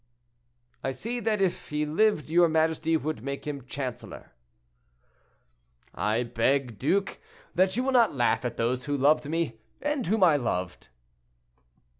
"I see that if he lived your majesty would make him chancellor." "I beg, duke, that you will not laugh at those who loved me, and whom I loved."